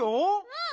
うん！